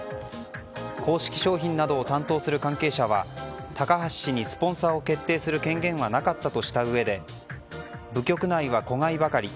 公式商品などを担当する関係者は高橋氏にスポンサーを決定する権限はなかったとしたうえで部局内は子飼いばかり。